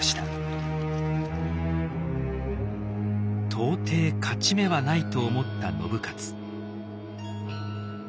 到底勝ち目はないと思った信雄。